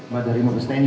mbak dari mabesteni